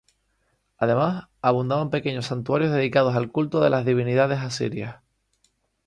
Además, abundaban pequeños santuarios dedicados al culto de las divinidades asirias.